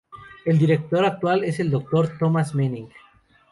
El director actual es el Dr. Thomas Manning.